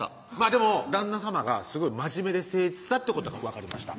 でも旦那さまがすごい真面目で誠実だってことが分かりました